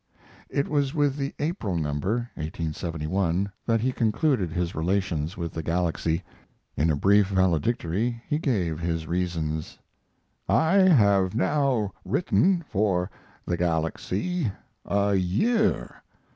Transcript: It was with the April number (1871) that he concluded his relations with the Galaxy. In a brief valedictory he gave his reasons: I have now written for the Galaxy a year.